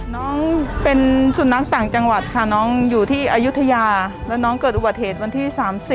น้องเป็นสุนัขต่างจังหวัดค่ะน้องอยู่ที่อายุทยาแล้วน้องเกิดอุบัติเหตุวันที่๓๐